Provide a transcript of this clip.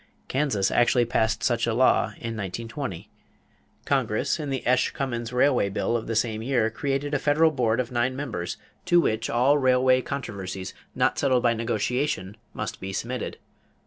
Kansas actually passed such a law in 1920. Congress in the Esch Cummins railway bill of the same year created a federal board of nine members to which all railway controversies, not settled by negotiation, must be submitted.